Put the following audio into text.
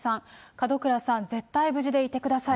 門倉さん、絶対無事でいてください。